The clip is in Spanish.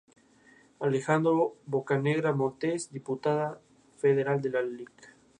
Alejandro Bocanegra Montes y Diputada Federal la Lic.